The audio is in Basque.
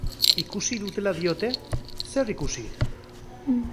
Ikusi dutela diote? Zer ikusi?